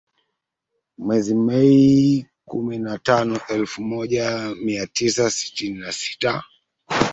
Mwezi Mei, kumi na tano elfu moja mia tisa sitini na sita